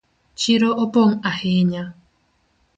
Chiro opong ahinya